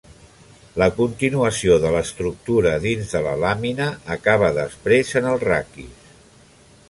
La continuació de l'estructura dins de la làmina acaba després en el raquis.